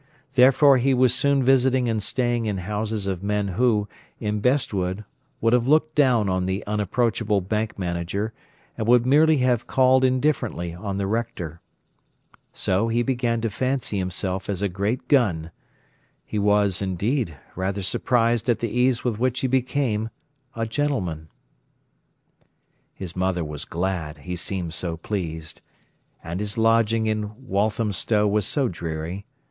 Therefore he was soon visiting and staying in houses of men who, in Bestwood, would have looked down on the unapproachable bank manager, and would merely have called indifferently on the Rector. So he began to fancy himself as a great gun. He was, indeed, rather surprised at the ease with which he became a gentleman. His mother was glad, he seemed so pleased. And his lodging in Walthamstow was so dreary.